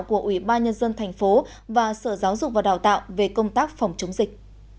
của ủy ban nhân dân thành phố và sở giáo dục và đào tạo về công tác phòng chống dịch